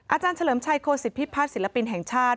อาจารย์เฉลิมชัยโคสิทธิภาคศิลปินแห่งชาติ